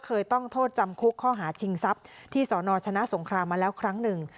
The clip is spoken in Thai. เคยต้องโทษจำคุกข้อหาชิงทรัพย์ที่สนชนะสงครามมาแล้วครั้งหนึ่ง